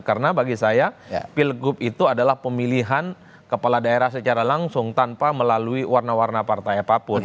karena bagi saya pilkub itu adalah pemilihan kepala daerah secara langsung tanpa melalui warna warna partai apapun